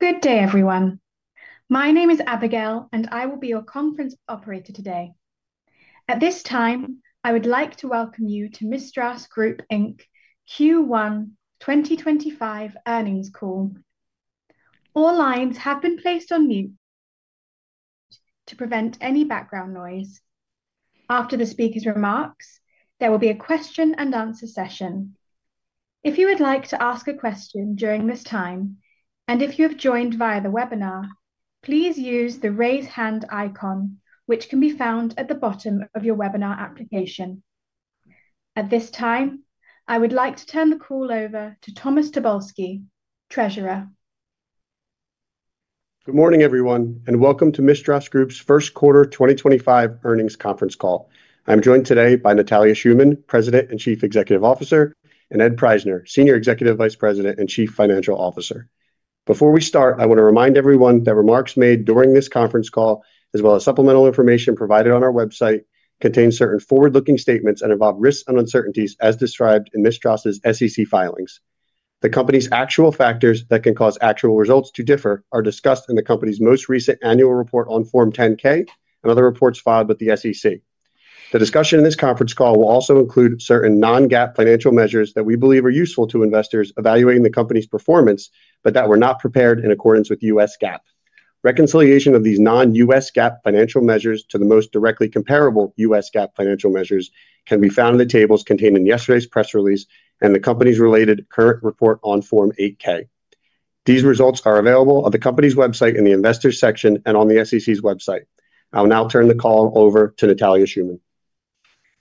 Good day, everyone. My name is Abigail, and I will be your conference operator today. At this time, I would like to welcome you to MISTRAS Group, Inc Q1 2025 earnings call. All lines have been placed on mute to prevent any background noise. After the speakers' remarks, there will be a question-and-answer session. If you would like to ask a question during this time, and if you have joined via the webinar, please use the raise hand icon, which can be found at the bottom of your webinar application. At this time, I would like to turn the call over to Thomas Tobolski, Treasurer. Good morning, everyone, and welcome to MISTRAS Group's first quarter 2025 earnings conference call. I'm joined today by Natalia Shuman, President and Chief Executive Officer, and Ed Prajzner, Senior Executive Vice President and Chief Financial Officer. Before we start, I want to remind everyone that remarks made during this conference call, as well as supplemental information provided on our website, contain certain forward-looking statements and involve risks and uncertainties as described in MISTRAS's SEC filings. The company's actual factors that can cause actual results to differ are discussed in the company's most recent annual report on Form 10-K and other reports filed with the SEC. The discussion in this conference call will also include certain non-GAAP financial measures that we believe are useful to investors evaluating the company's performance, but that were not prepared in accordance with U.S. GAAP. Reconciliation of these non-U.S. GAAP financial measures to the most directly comparable U.S. GAAP financial measures can be found in the tables contained in yesterday's press release and the company's related current report on Form 8-K. These results are available on the company's website in the Investors section and on the SEC's website. I'll now turn the call over to Natalia Shuman.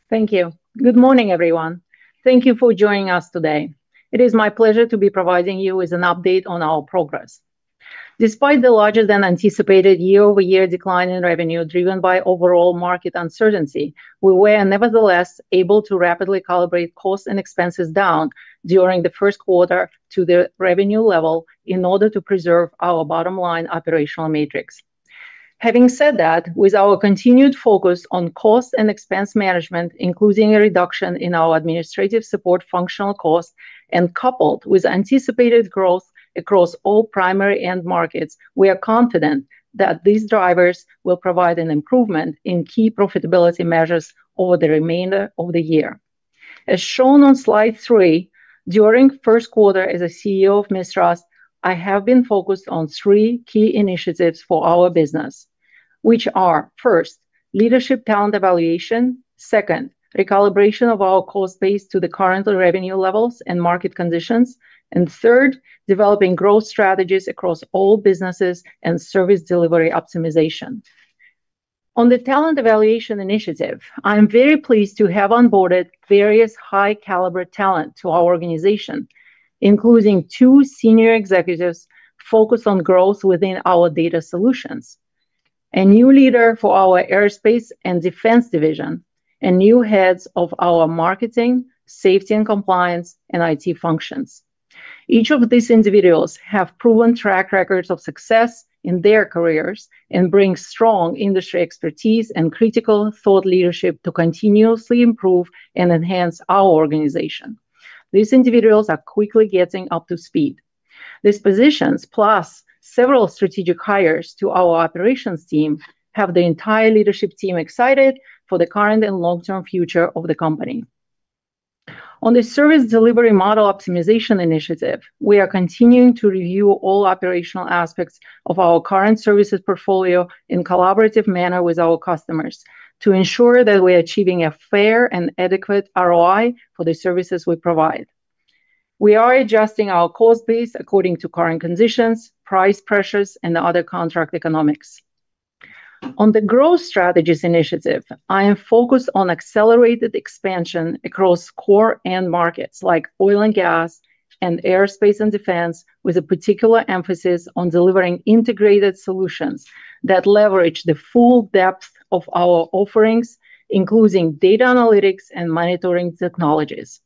Thank you. Good morning, everyone. Thank you for joining us today. It is my pleasure to be providing you with an update on our progress. Despite the larger-than-anticipated year-over-year decline in revenue driven by overall market uncertainty, we were nevertheless able to rapidly calibrate costs and expenses down during the first quarter to the revenue level in order to preserve our bottom-line operational matrix. Having said that, with our continued focus on cost and expense management, including a reduction in our administrative support functional costs and coupled with anticipated growth across all primary end markets, we are confident that these drivers will provide an improvement in key profitability measures over the remainder of the year. As shown on slide three, during the first quarter as a CEO of MISTRAS, I have been focused on three key initiatives for our business, which are, first, leadership talent evaluation; second, recalibration of our cost base to the current revenue levels and market conditions; and third, developing growth strategies across all businesses and service delivery optimization. On the talent evaluation initiative, I'm very pleased to have onboarded various high-caliber talent to our organization, including two senior executives focused on growth within our data solutions, a new leader for our aerospace and defense division, and new heads of our marketing, safety, and compliance and IT functions. Each of these individuals has proven track records of success in their careers and brings strong industry expertise and critical thought leadership to continuously improve and enhance our organization. These individuals are quickly getting up to speed. These positions, plus several strategic hires to our operations team, have the entire leadership team excited for the current and long-term future of the company. On the service delivery model optimization initiative, we are continuing to review all operational aspects of our current services portfolio in a collaborative manner with our customers to ensure that we are achieving a fair and adequate ROI for the services we provide. We are adjusting our cost base according to current conditions, price pressures, and other contract economics. On the growth strategies initiative, I am focused on accelerated expansion across core end markets like oil and gas and aerospace and defense, with a particular emphasis on delivering integrated solutions that leverage the full depth of our offerings, including data analytics and monitoring technologies.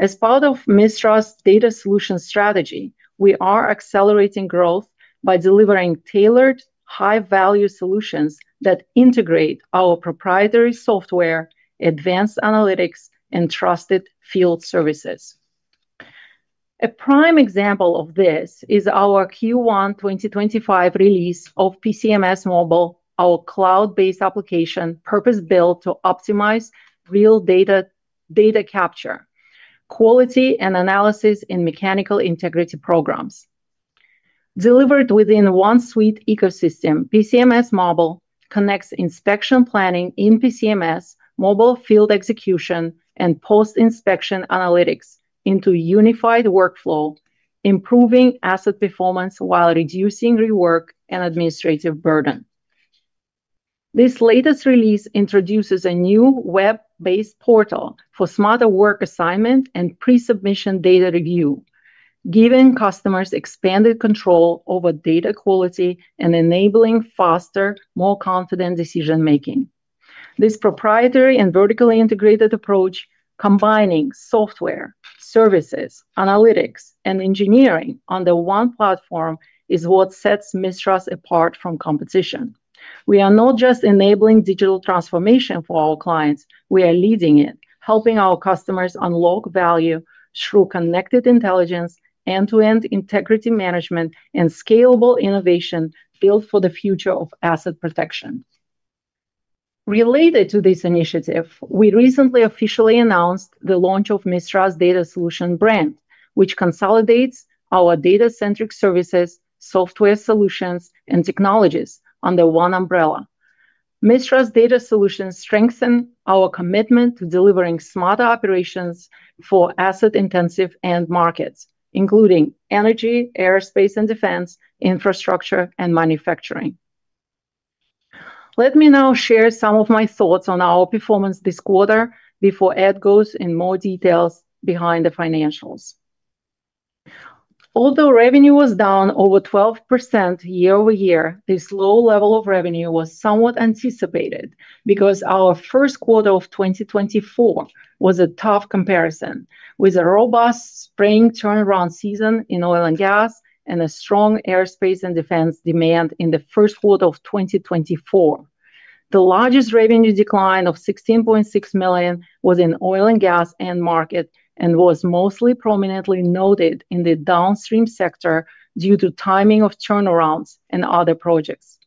As part of MISTRAS's data solution strategy, we are accelerating growth by delivering tailored, high-value solutions that integrate our proprietary software, advanced analytics, and trusted field services. A prime example of this is our Q1 2025 release of PCMS Mobile, our cloud-based application purpose-built to optimize real data capture, quality, and analysis in mechanical integrity programs. Delivered within one suite ecosystem, PCMS Mobile connects inspection planning in PCMS, mobile field execution, and post-inspection analytics into a unified workflow, improving asset performance while reducing rework and administrative burden. This latest release introduces a new web-based portal for smarter work assignment and pre-submission data review, giving customers expanded control over data quality and enabling faster, more confident decision-making. This proprietary and vertically integrated approach, combining software, services, analytics, and engineering on the one platform, is what sets MISTRAS apart from competition. We are not just enabling digital transformation for our clients; we are leading it, helping our customers unlock value through connected intelligence, end-to-end integrity management, and scalable innovation built for the future of asset protection. Related to this initiative, we recently officially announced the launch of MISTRAS Data Solutions brand, which consolidates our data-centric services, software solutions, and technologies under one umbrella. MISTRAS Data Solutions strengthens our commitment to delivering smarter operations for asset-intensive end markets, including energy, aerospace and defense, infrastructure, and manufacturing. Let me now share some of my thoughts on our performance this quarter before Ed goes into more details behind the financials. Although revenue was down over 12% year-over-year, this low level of revenue was somewhat anticipated because our first quarter of 2024 was a tough comparison, with a robust spring turnaround season in oil and gas and a strong aerospace and defense demand in the first quarter of 2024. The largest revenue decline of $16.6 million was in oil and gas end market and was most prominently noted in the downstream sector due to timing of turnarounds and other projects.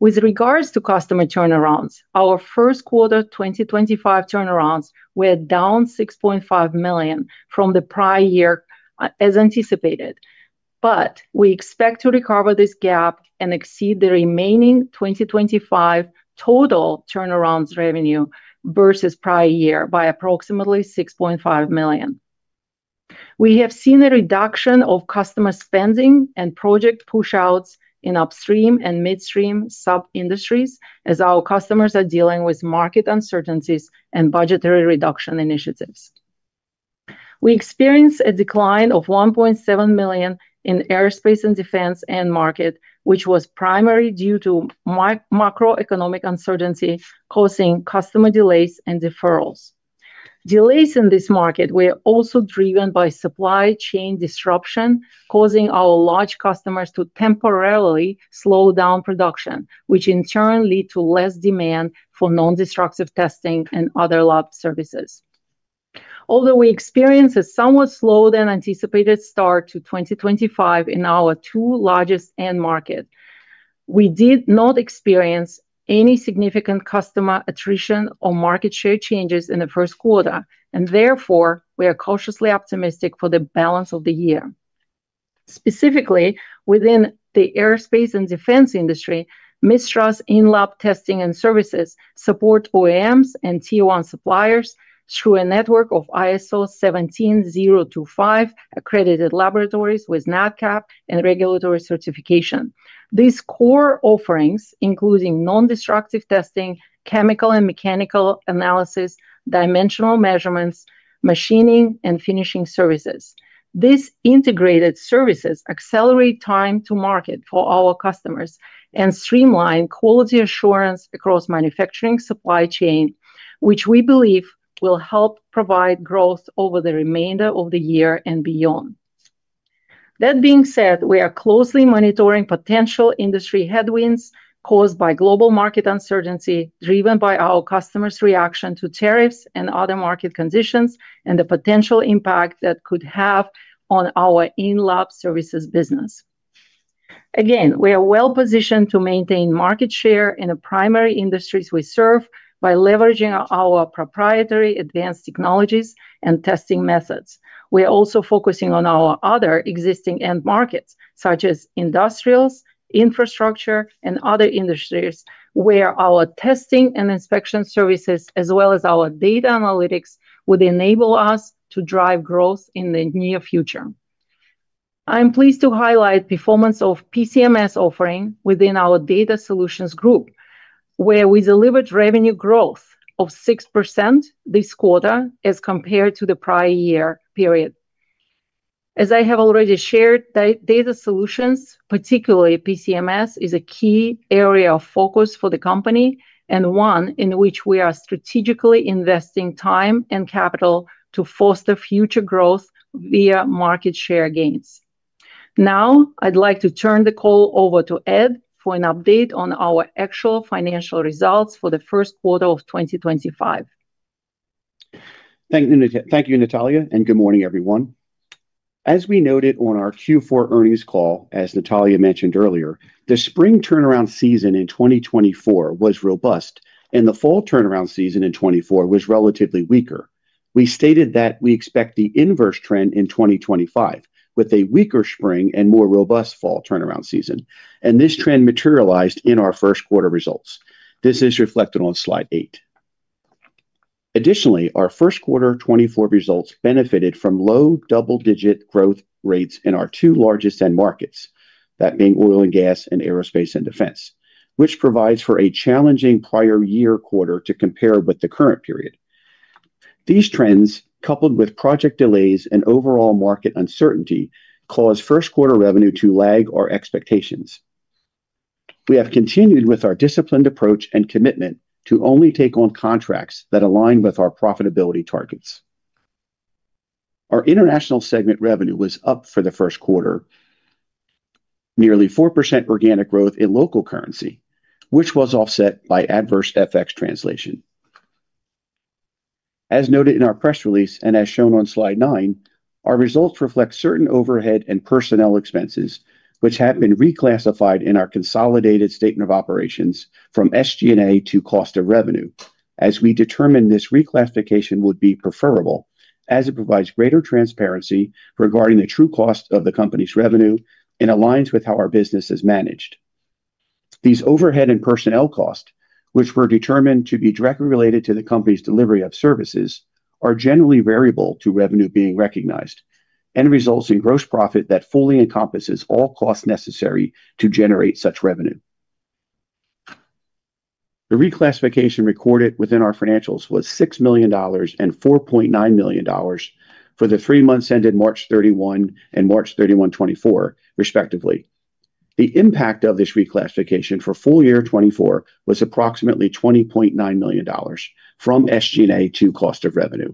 With regards to customer turnarounds, our first quarter 2025 turnarounds were down $6.5 million from the prior year as anticipated, but we expect to recover this gap and exceed the remaining 2025 total turnarounds revenue versus prior year by approximately $6.5 million. We have seen a reduction of customer spending and project push-outs in upstream and midstream sub-industries as our customers are dealing with market uncertainties and budgetary reduction initiatives. We experienced a decline of $1.7 million in aerospace and defense end market, which was primarily due to macroeconomic uncertainty causing customer delays and deferrals. Delays in this market were also driven by supply chain disruption, causing our large customers to temporarily slow down production, which in turn led to less demand for non-destructive testing and other lab services. Although we experienced a somewhat slower-than-anticipated start to 2025 in our two largest end markets, we did not experience any significant customer attrition or market share changes in the first quarter, and therefore, we are cautiously optimistic for the balance of the year. Specifically, within the aerospace and defense industry, MISTRAS in-lab testing and services support OEMs and Tier 1 suppliers through a network of ISO 17025 accredited laboratories with NADCAP and regulatory certification. These core offerings include non-destructive testing, chemical and mechanical analysis, dimensional measurements, machining, and finishing services. These integrated services accelerate time to market for our customers and streamline quality assurance across manufacturing supply chain, which we believe will help provide growth over the remainder of the year and beyond. That being said, we are closely monitoring potential industry headwinds caused by global market uncertainty driven by our customers' reaction to tariffs and other market conditions and the potential impact that could have on our in-lab services business. Again, we are well-positioned to maintain market share in the primary industries we serve by leveraging our proprietary advanced technologies and testing methods. We are also focusing on our other existing end markets, such as industrials, infrastructure, and other industries, where our testing and inspection services, as well as our data analytics, would enable us to drive growth in the near future. I'm pleased to highlight the performance of PCMS offering within our data solutions group, where we delivered revenue growth of 6% this quarter as compared to the prior year period. As I have already shared, data solutions, particularly PCMS, are a key area of focus for the company and one in which we are strategically investing time and capital to foster future growth via market share gains. Now, I'd like to turn the call over to Ed for an update on our actual financial results for the first quarter of 2025. Thank you, Natalia, and good morning, everyone. As we noted on our Q4 earnings call, as Natalia mentioned earlier, the spring turnaround season in 2024 was robust, and the fall turnaround season in 2024 was relatively weaker. We stated that we expect the inverse trend in 2025, with a weaker spring and more robust fall turnaround season, and this trend materialized in our first quarter results. This is reflected on slide eight. Additionally, our first quarter 2024 results benefited from low double-digit growth rates in our two largest end markets, that being oil and gas and aerospace and defense, which provides for a challenging prior year quarter to compare with the current period. These trends, coupled with project delays and overall market uncertainty, caused first quarter revenue to lag our expectations. We have continued with our disciplined approach and commitment to only take on contracts that align with our profitability targets. Our international segment revenue was up for the first quarter, nearly 4% organic growth in local currency, which was offset by adverse FX translation. As noted in our press release and as shown on slide nine, our results reflect certain overhead and personnel expenses, which have been reclassified in our consolidated statement of operations from SG&A to cost of revenue, as we determined this reclassification would be preferable, as it provides greater transparency regarding the true cost of the company's revenue and aligns with how our business is managed. These overhead and personnel costs, which were determined to be directly related to the company's delivery of services, are generally variable to revenue being recognized and results in gross profit that fully encompasses all costs necessary to generate such revenue. The reclassification recorded within our financials was $6 million and $4.9 million for the three months ended March 31 and March 31, 2024, respectively. The impact of this reclassification for full year 2024 was approximately $20.9 million from SG&A to cost of revenue.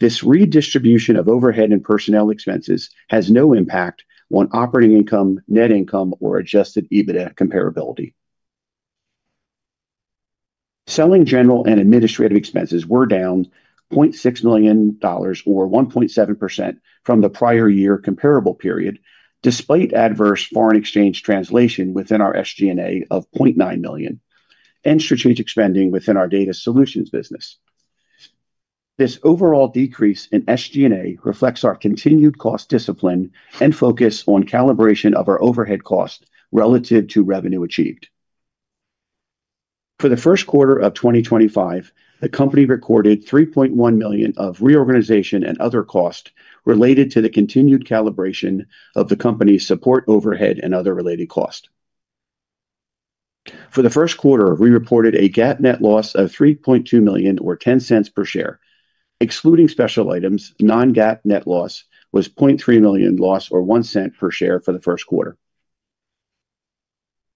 This redistribution of overhead and personnel expenses has no impact on operating income, net income, or adjusted EBITDA comparability. Selling general and administrative expenses were down $0.6 million, or 1.7%, from the prior year comparable period, despite adverse foreign exchange translation within our SG&A of $0.9 million and strategic spending within our data solutions business. This overall decrease in SG&A reflects our continued cost discipline and focus on calibration of our overhead cost relative to revenue achieved. For the first quarter of 2025, the company recorded $3.1 million of reorganization and other costs related to the continued calibration of the company's support overhead and other related costs. For the first quarter, we reported a GAAP net loss of $3.2 million, or $0.10 per share. Excluding special items, non-GAAP net loss was $0.3 million, or $0.01 per share for the first quarter.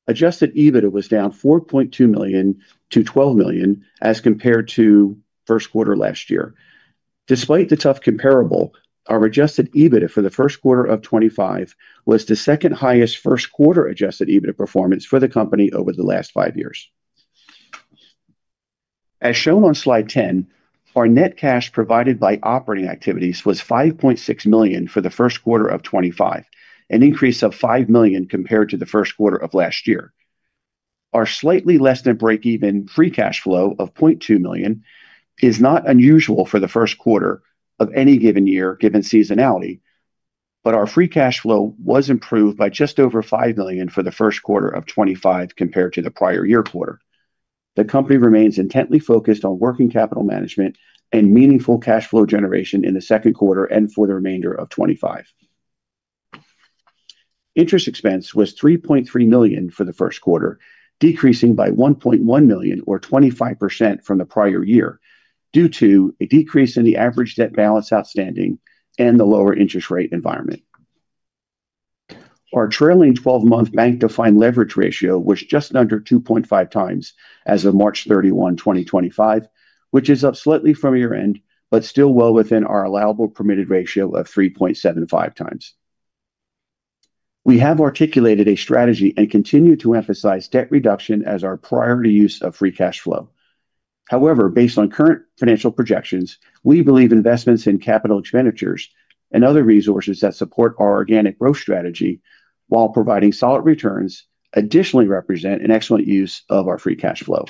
Adjusted EBITDA was down $4.2 million to $12 million as compared to the first quarter last year. Despite the tough comparable, our adjusted EBITDA for the first quarter of 2025 was the second highest first quarter adjusted EBITDA performance for the company over the last five years. As shown on slide 10, our net cash provided by operating activities was $5.6 million for the first quarter of 2025, an increase of $5 million compared to the first quarter of last year. Our slightly less than break-even free cash flow of $0.2 million is not unusual for the first quarter of any given year, given seasonality, but our free cash flow was improved by just over $5 million for the first quarter of 2025 compared to the prior year quarter. The company remains intently focused on working capital management and meaningful cash flow generation in the second quarter and for the remainder of 2025. Interest expense was $3.3 million for the first quarter, decreasing by $1.1 million, or 25%, from the prior year due to a decrease in the average debt balance outstanding and the lower interest rate environment. Our trailing 12-month bank-defined leverage ratio was just under 2.5x as of March 31, 2025, which is up slightly from year-end, but still well within our allowable permitted ratio of 3.75x. We have articulated a strategy and continue to emphasize debt reduction as our priority use of free cash flow. However, based on current financial projections, we believe investments in capital expenditures and other resources that support our organic growth strategy while providing solid returns additionally represent an excellent use of our free cash flow.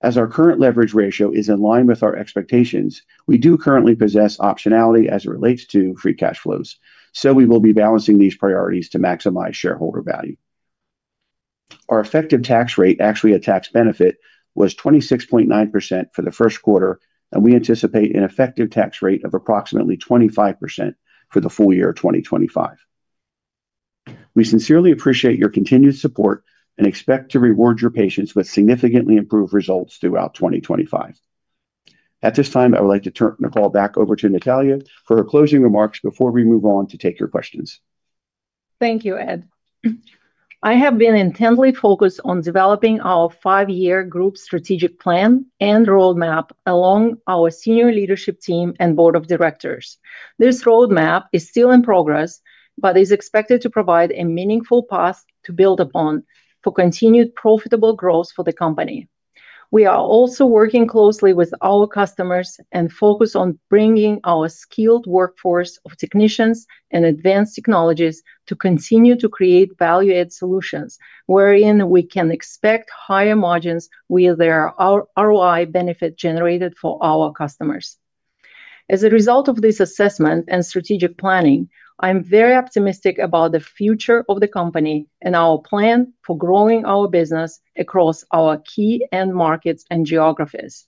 As our current leverage ratio is in line with our expectations, we do currently possess optionality as it relates to free cash flows, so we will be balancing these priorities to maximize shareholder value. Our effective tax rate, actually a tax benefit, was 26.9% for the first quarter, and we anticipate an effective tax rate of approximately 25% for the full year of 2025. We sincerely appreciate your continued support and expect to reward your patience with significantly improved results throughout 2025. At this time, I would like to turn the call back over to Natalia for her closing remarks before we move on to take your questions. Thank you, Ed. I have been intently focused on developing our five-year group strategic plan and roadmap along our senior leadership team and board of directors. This roadmap is still in progress, but is expected to provide a meaningful path to build upon for continued profitable growth for the company. We are also working closely with our customers and focus on bringing our skilled workforce of technicians and advanced technologies to continue to create value-add solutions wherein we can expect higher margins with their ROI benefit generated for our customers. As a result of this assessment and strategic planning, I'm very optimistic about the future of the company and our plan for growing our business across our key end markets and geographies.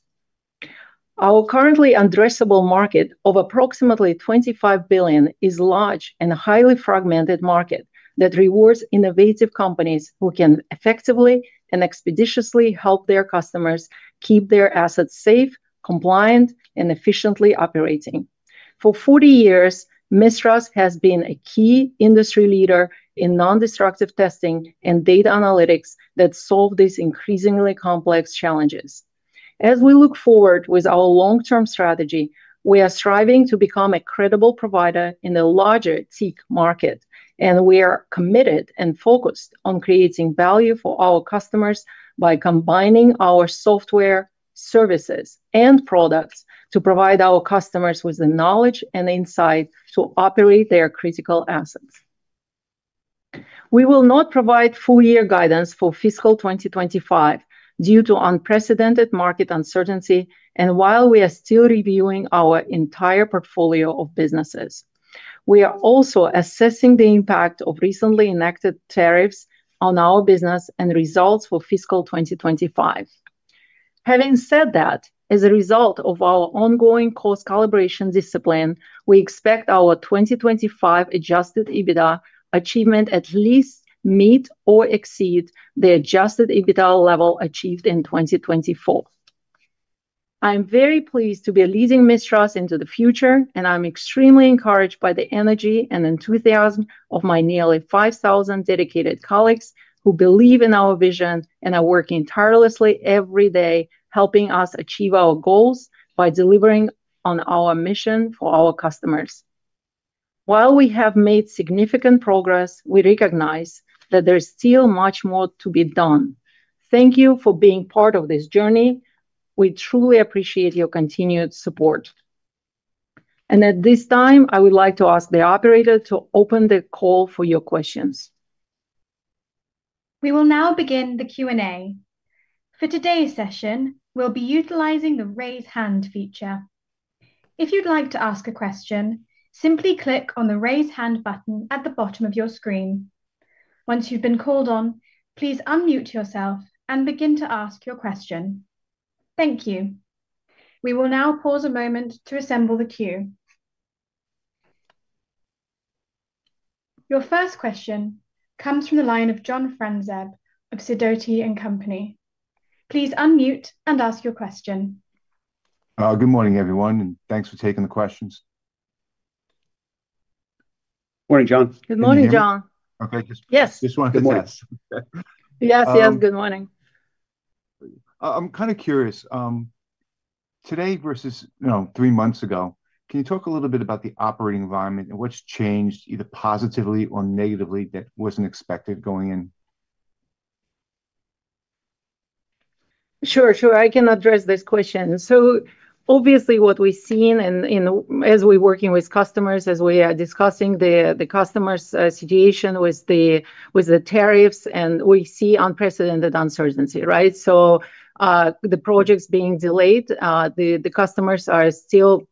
Our currently addressable market of approximately $25 billion is a large and highly fragmented market that rewards innovative companies who can effectively and expeditiously help their customers keep their assets safe, compliant, and efficiently operating. For 40 years, MISTRAS has been a key industry leader in non-destructive testing and data analytics that solve these increasingly complex challenges. As we look forward with our long-term strategy, we are striving to become a credible provider in the larger tech market, and we are committed and focused on creating value for our customers by combining our software, services, and products to provide our customers with the knowledge and insight to operate their critical assets. We will not provide full-year guidance for fiscal 2025 due to unprecedented market uncertainty, and while we are still reviewing our entire portfolio of businesses, we are also assessing the impact of recently enacted tariffs on our business and results for fiscal 2025. Having said that, as a result of our ongoing cost calibration discipline, we expect our 2025 adjusted EBITDA achievement at least to meet or exceed the adjusted EBITDA level achieved in 2024. I'm very pleased to be leading MISTRAS into the future, and I'm extremely encouraged by the energy and enthusiasm of my nearly 5,000 dedicated colleagues who believe in our vision and are working tirelessly every day, helping us achieve our goals by delivering on our mission for our customers. While we have made significant progress, we recognize that there's still much more to be done. Thank you for being part of this journey. We truly appreciate your continued support. At this time, I would like to ask the operator to open the call for your questions. We will now begin the Q&A. For today's session, we'll be utilizing the raise hand feature. If you'd like to ask a question, simply click on the raise hand button at the bottom of your screen. Once you've been called on, please unmute yourself and begin to ask your question. Thank you. We will now pause a moment to assemble the queue. Your first question comes from the line of John Franzreb of Sidoti & Company. Please unmute and ask your question. Good morning, everyone, and thanks for taking the questions. Morning, John. Good morning, John. Okay, just. Yes. Just wanted to test. Yes, yes, good morning. I'm kind of curious. Today versus, you know, three months ago, can you talk a little bit about the operating environment and what's changed, either positively or negatively, that wasn't expected going in? Sure, sure. I can address this question. Obviously, what we've seen and as we're working with customers, as we are discussing the customers' situation with the tariffs, we see unprecedented uncertainty, right? The projects are being delayed, the customers are still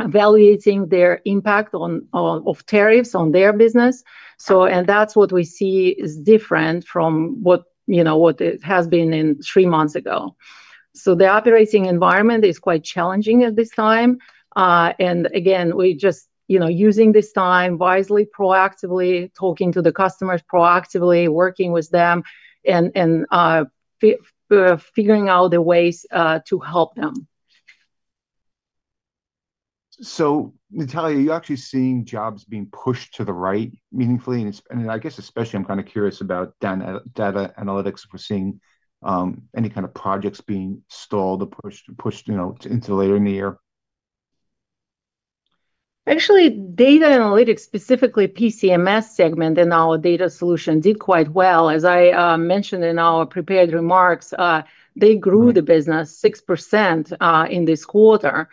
evaluating their impact of tariffs on their business. That is what we see is different from what it has been three months ago. The operating environment is quite challenging at this time. Again, we're just using this time wisely, proactively, talking to the customers proactively, working with them, and figuring out the ways to help them. Natalia, are you actually seeing jobs being pushed to the right meaningfully? I guess especially, I'm kind of curious about data analytics, if we're seeing any kind of projects being stalled or pushed into later in the year? Actually, data analytics, specifically PCMS segment in our data solution, did quite well. As I mentioned in our prepared remarks, they grew the business 6% in this quarter.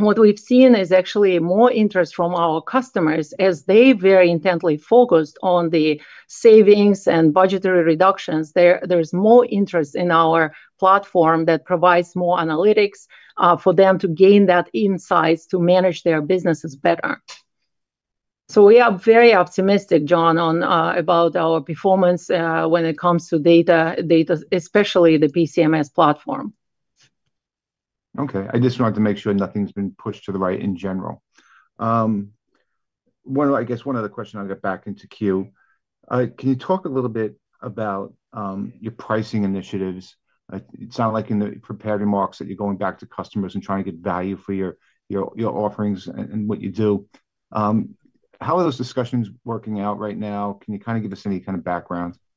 What we have seen is actually more interest from our customers as they are very intently focused on the savings and budgetary reductions. There is more interest in our platform that provides more analytics for them to gain that insights to manage their businesses better. We are very optimistic, John, about our performance when it comes to data, especially the PCMS platform. Okay. I just wanted to make sure nothing's been pushed to the right in general. I guess one other question, I'll get back into queue. Can you talk a little bit about your pricing initiatives? It sounded like in the prepared remarks that you're going back to customers and trying to get value for your offerings and what you do. How are those discussions working out right now? Can you kind of give us any kind of background? Yeah.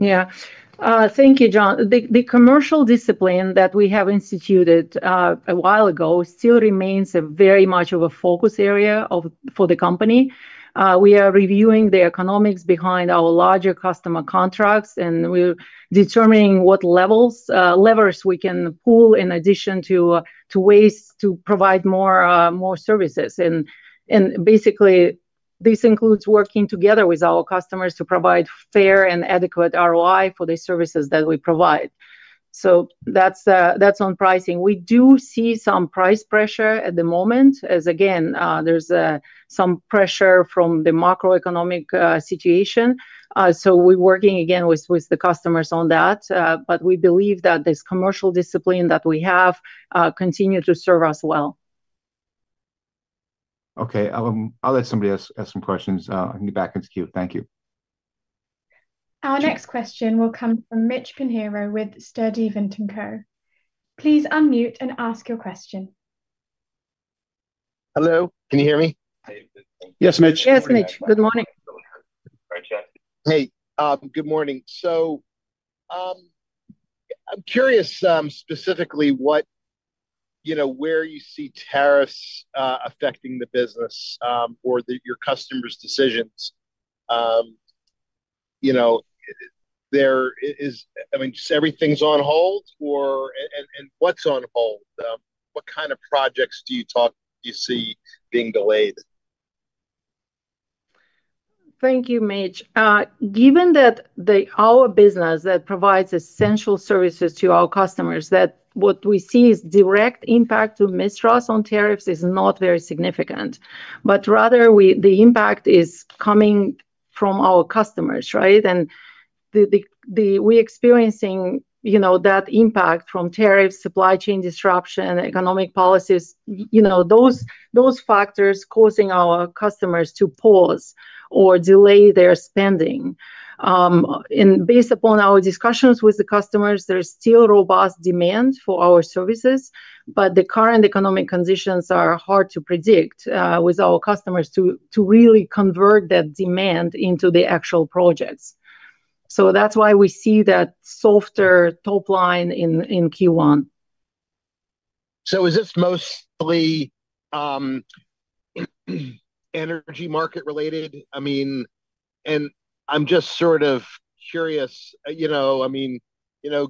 Thank you, John. The commercial discipline that we have instituted a while ago still remains very much of a focus area for the company. We are reviewing the economics behind our larger customer contracts, and we're determining what levers we can pull in addition to ways to provide more services. Basically, this includes working together with our customers to provide fair and adequate ROI for the services that we provide. That's on pricing. We do see some price pressure at the moment, as again, there's some pressure from the macroeconomic situation. We're working again with the customers on that, but we believe that this commercial discipline that we have continues to serve us well. Okay. I'll let somebody ask some questions. I can get back into queue. Thank you. Our next question will come from Mitch Pinheiro with Sturdivant & Co. Please unmute and ask your question. Hello. Can you hear me? Yes, Mitch. Yes, Mitch. Good morning. Hey, good morning. I'm curious specifically where you see tariffs affecting the business or your customers' decisions. I mean, is everything on hold, or what's on hold? What kind of projects do you see being delayed? Thank you, Mitch. Given that our business provides essential services to our customers, what we see is direct impact to MISTRAS on tariffs is not very significant, but rather the impact is coming from our customers, right? We are experiencing that impact from tariffs, supply chain disruption, economic policies, those factors causing our customers to pause or delay their spending. Based upon our discussions with the customers, there is still robust demand for our services, but the current economic conditions are hard to predict with our customers to really convert that demand into the actual projects. That is why we see that softer top line in Q1. Is this mostly energy market related? I mean, and I'm just sort of curious. I mean,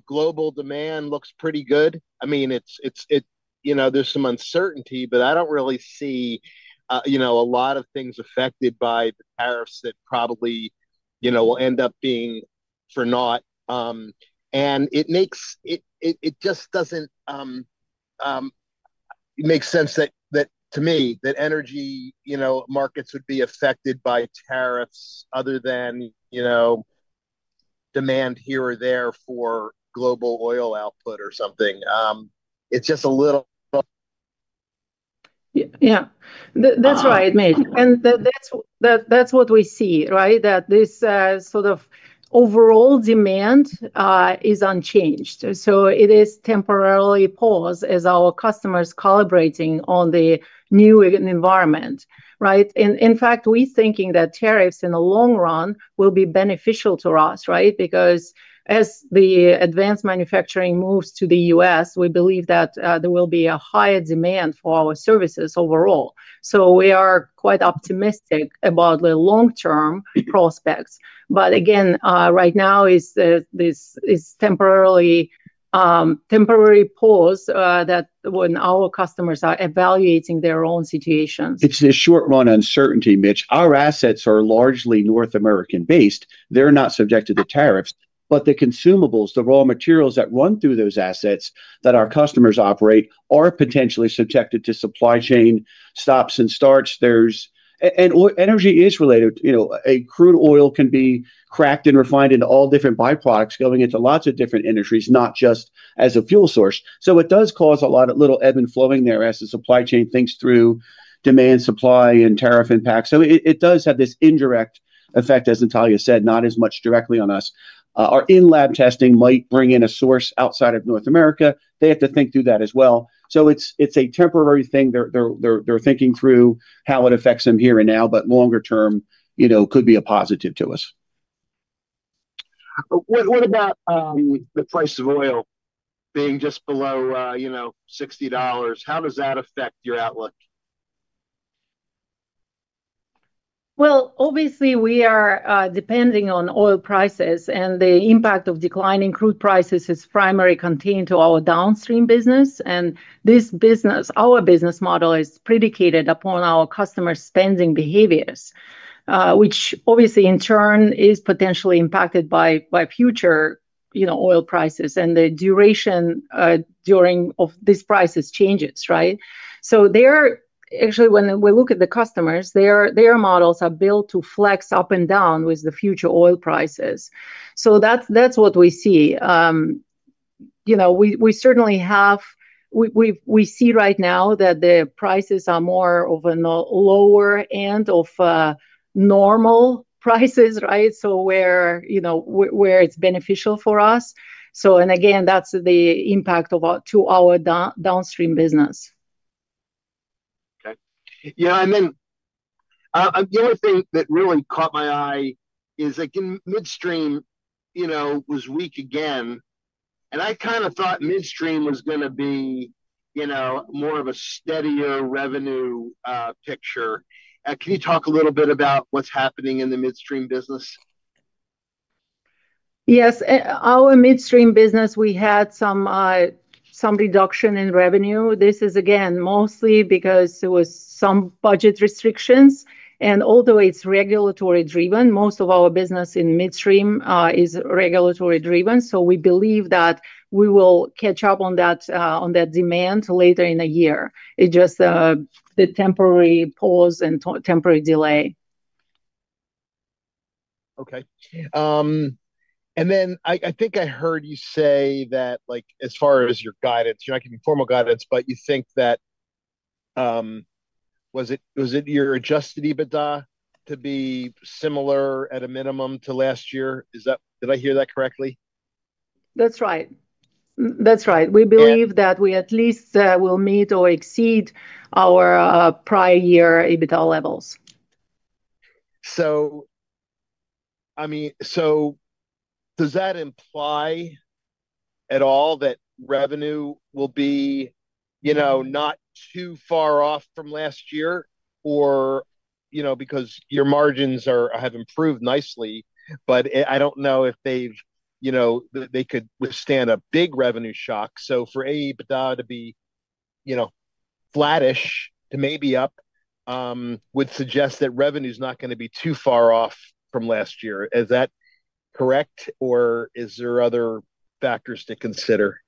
global demand looks pretty good. I mean, there's some uncertainty, but I don't really see a lot of things affected by the tariffs that probably will end up being for naught. It just doesn't make sense to me that energy markets would be affected by tariffs other than demand here or there for global oil output or something. It's just a little. Yeah. That's right, Mitch. And that's what we see, right? That this sort of overall demand is unchanged. So it is temporarily paused as our customers are calibrating on the new environment, right? In fact, we're thinking that tariffs in the long run will be beneficial to us, right? Because as the advanced manufacturing moves to the U.S., we believe that there will be a higher demand for our services overall. So we are quite optimistic about the long-term prospects. But again, right now, it's temporary pause when our customers are evaluating their own situations. It's a short-run uncertainty, Mitch. Our assets are largely North American-based. They're not subjected to tariffs, but the consumables, the raw materials that run through those assets that our customers operate are potentially subjected to supply chain stops and starts. Energy is related. A crude oil can be cracked and refined into all different byproducts going into lots of different industries, not just as a fuel source. It does cause a lot of little ebb and flowing there as the supply chain thinks through demand, supply, and tariff impacts. It does have this indirect effect, as Natalia said, not as much directly on us. Our in-lab testing might bring in a source outside of North America. They have to think through that as well. It's a temporary thing. They're thinking through how it affects them here and now, but longer term could be a positive to us. What about the price of oil being just below $60? How does that affect your outlook? Obviously, we are depending on oil prices, and the impact of declining crude prices is primarily contained to our downstream business. Our business model is predicated upon our customer spending behaviors, which, obviously, in turn, is potentially impacted by future oil prices and the duration of these price changes, right? Actually, when we look at the customers, their models are built to flex up and down with the future oil prices. That is what we see. We certainly have—we see right now that the prices are more of a lower end of normal prices, right? Where it is beneficial for us. Again, that is the impact to our downstream business. Okay. Yeah. The other thing that really caught my eye is, again, midstream was weak again. I kind of thought midstream was going to be more of a steadier revenue picture. Can you talk a little bit about what's happening in the midstream business? Yes. Our midstream business, we had some reduction in revenue. This is, again, mostly because there were some budget restrictions. Although it is regulatory-driven, most of our business in midstream is regulatory-driven. We believe that we will catch up on that demand later in the year. It is just a temporary pause and temporary delay. Okay. I think I heard you say that as far as your guidance, you're not giving formal guidance, but you think that, was it your adjusted EBITDA to be similar at a minimum to last year? Did I hear that correctly? That's right. That's right. We believe that we at least will meet or exceed our prior year EBITDA levels. I mean, does that imply at all that revenue will be not too far off from last year? Or because your margins have improved nicely, but I don't know if they could withstand a big revenue shock. For EBITDA to be flattish to maybe up would suggest that revenue is not going to be too far off from last year. Is that correct? Or are there other factors to consider?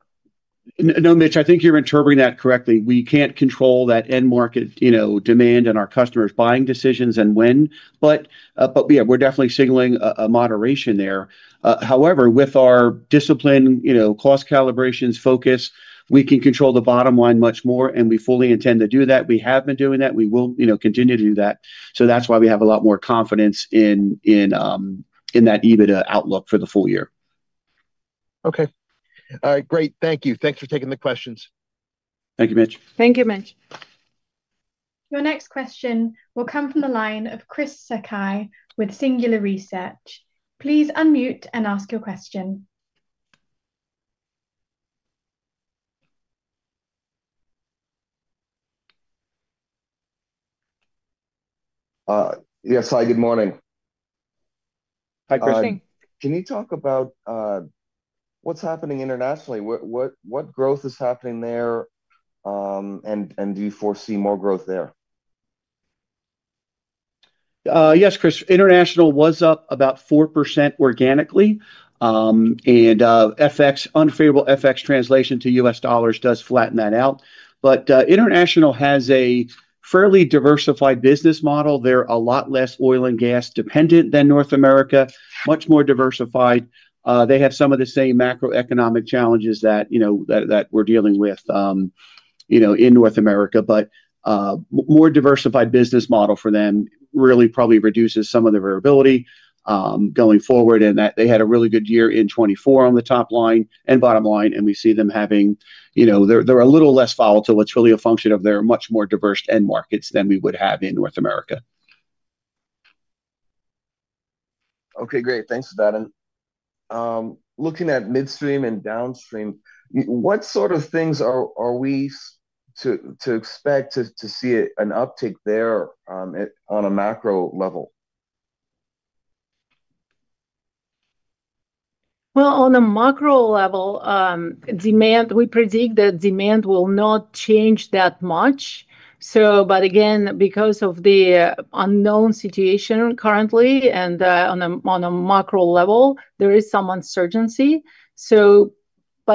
No, Mitch, I think you're interpreting that correctly. We can't control that end market demand and our customers' buying decisions and when. Yeah, we're definitely signaling a moderation there. However, with our discipline, cost calibrations, focus, we can control the bottom line much more, and we fully intend to do that. We have been doing that. We will continue to do that. That's why we have a lot more confidence in that EBITDA outlook for the full year. Okay. All right. Great. Thank you. Thanks for taking the questions. Thank you, Mitch. Thank you, Mitch. Your next question will come from the line of Chris Sakai with Singular Research. Please unmute and ask your question. Yes, hi. Good morning. Hi, Chris. Good morning. Can you talk about what's happening internationally? What growth is happening there, and do you foresee more growth there? Yes, Chris. International was up about 4% organically. Unfavorable FX translation to U.S. dollars does flatten that out. International has a fairly diversified business model. They are a lot less oil and gas dependent than North America, much more diversified. They have some of the same macroeconomic challenges that we are dealing with in North America. A more diversified business model for them really probably reduces some of the variability going forward. They had a really good year in 2024 on the top line and bottom line, and we see them having—they are a little less volatile. It is really a function of their much more diverse end markets than we would have in North America. Okay. Great. Thanks for that. Looking at midstream and downstream, what sort of things are we to expect to see an uptick there on a macro level? On a macro level, we predict that demand will not change that much. Again, because of the unknown situation currently and on a macro level, there is some uncertainty.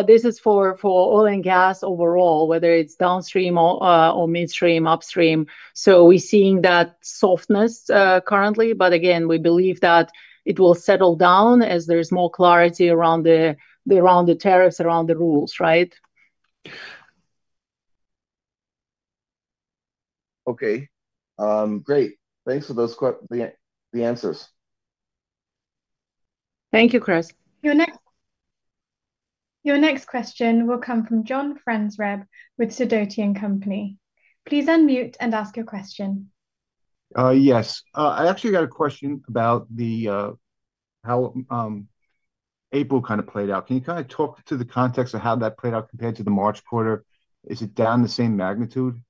This is for oil and gas overall, whether it's downstream or midstream, upstream. We're seeing that softness currently. Again, we believe that it will settle down as there's more clarity around the tariffs, around the rules, right? Okay. Great. Thanks for those answers. Thank you, Chris. Your next question will come from John Franzreb with Sturdivant & Company. Please unmute and ask your question. Yes. I actually got a question about how April kind of played out. Can you kind of talk to the context of how that played out compared to the March quarter? Is it down the same magnitude?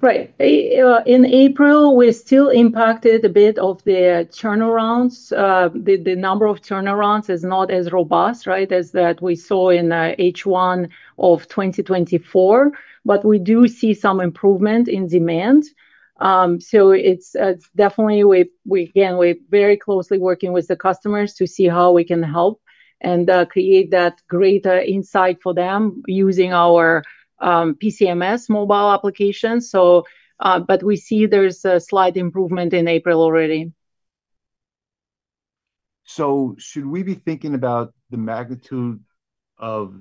Right. In April, we still impacted a bit of the turnarounds. The number of turnarounds is not as robust, right, as that we saw in H1 of 2024. We do see some improvement in demand. Definitely, again, we're very closely working with the customers to see how we can help and create that greater insight for them using our PCMS Mobile application. We see there's a slight improvement in April already. Should we be thinking about the magnitude of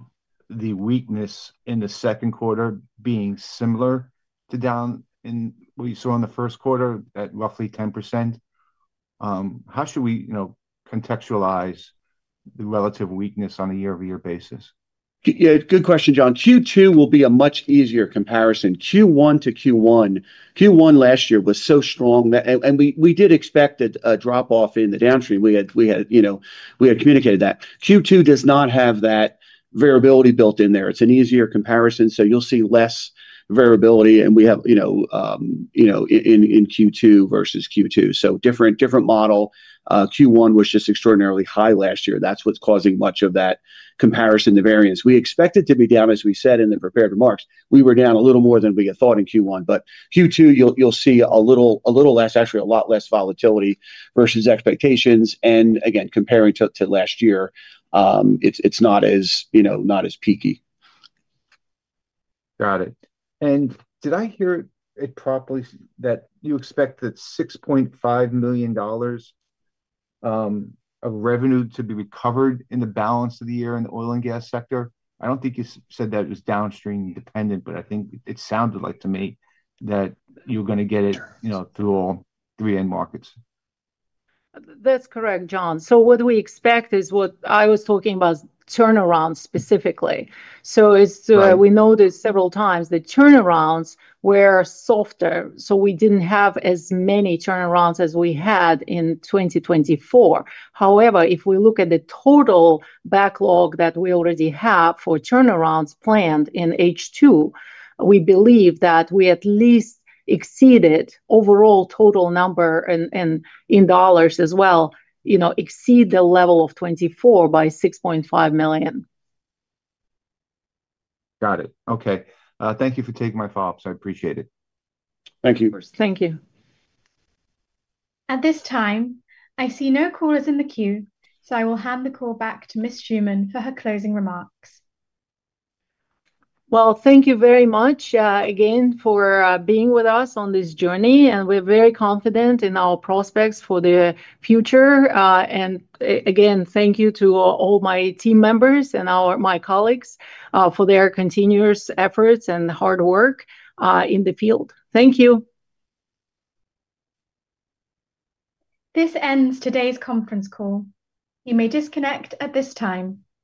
the weakness in the second quarter being similar to down in what you saw in the first quarter at roughly 10%? How should we contextualize the relative weakness on a year-over-year basis? Yeah. Good question, John. Q2 will be a much easier comparison. Q1 to Q1, Q1 last year was so strong that, and we did expect a drop-off in the downstream. We had communicated that. Q2 does not have that variability built in there. It is an easier comparison. You will see less variability. And we have in Q2 versus Q2. Different model. Q1 was just extraordinarily high last year. That is what is causing much of that comparison, the variance. We expected to be down, as we said in the prepared remarks. We were down a little more than we had thought in Q1. Q2, you'll see a little less, actually a lot less volatility versus expectations. Again, comparing to last year, it's not as peaky. Got it. Did I hear it properly that you expect that $6.5 million of revenue to be recovered in the balance of the year in the oil and gas sector? I do not think you said that it was downstream dependent, but I think it sounded like to me that you are going to get it through all three end markets. That's correct, John. What we expect is what I was talking about, turnarounds specifically. We noticed several times that turnarounds were softer. We did not have as many turnarounds as we had in 2024. However, if we look at the total backlog that we already have for turnarounds planned in H2, we believe that we at least exceeded overall total number in dollars as well, exceed the level of 2024 by $6.5 million. Got it. Okay. Thank you for taking my thoughts. I appreciate it. Thank you. Thank you. At this time, I see no callers in the queue, so I will hand the call back to Ms. Shuman for her closing remarks. Thank you very much again for being with us on this journey. We are very confident in our prospects for the future. Again, thank you to all my team members and my colleagues for their continuous efforts and hard work in the field. Thank you. This ends today's conference call. You may disconnect at this time.